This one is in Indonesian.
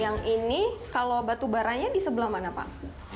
yang ini kalau batubaranya di sebelah mana pak